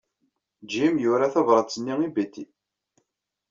Jim yura tabṛat-nni i Betty.